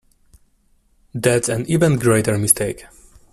That’s an even greater mistake.